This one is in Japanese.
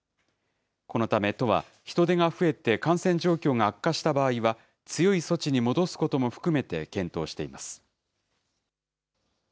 このため都は、人出が増えて感染状況が悪化した場合は、強い措置に戻すことも含めて検討しています。